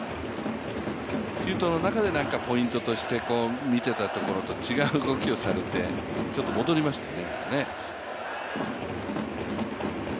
周東の中でポイントとして見てたところと違う動きをされて、ちょっと戻りましたね。